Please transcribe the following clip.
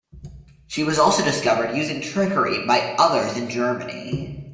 She was also discovered using trickery by others in Germany.